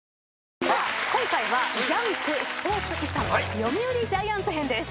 今回は『ジャンク』スポーツ遺産読売ジャイアンツ編です。